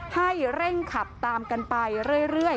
ให้เร่งขับตามกันไปเรื่อย